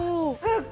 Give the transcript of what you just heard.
えっ！